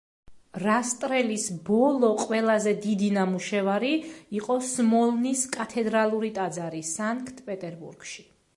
რასტრელის ბოლო ყველაზე დიდი ნამუშევარი იყო სმოლნის კათედრალური ტაძარი, სანქტ-პეტერბურგში.